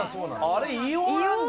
あれ硫黄なんだ！